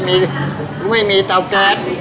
มันก็ไม่มีเต๋าแก๊ป